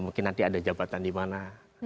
mungkin nanti ada jabatan di mana